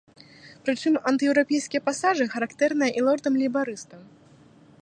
Прычым антыеўрапейскі пасажы характэрныя і лордам-лейбарыстам.